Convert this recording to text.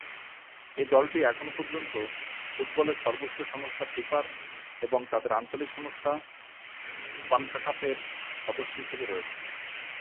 এই দলটি এখন পর্যন্ত ফুটবলের সর্বোচ্চ সংস্থা ফিফার এবং তাদের আঞ্চলিক সংস্থা কনকাকাফের সদস্য হিসেবে রয়েছে।